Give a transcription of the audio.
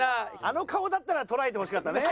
あの顔だったら捉えてほしかったね。